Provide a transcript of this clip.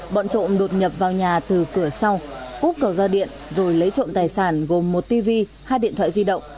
bọn trộm đột nhập vào nhà từ cửa sau cúp cầu ra điện rồi lấy trộm tài sản gồm một tv hai điện thoại di động